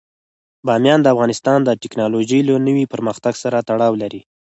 بامیان د افغانستان د تکنالوژۍ له نوي پرمختګ سره تړاو لري.